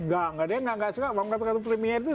gak gak dia gak suka kalau kata kata premiere itu